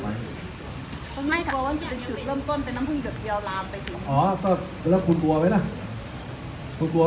กลัวว่ามันจะถือเริ่มต้นเป็นน้ำพรุ่งเดือดเดียวลามไปจริง